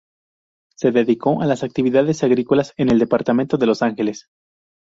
Se dedicó a las actividades agrícolas, en el departamento de Los Andes.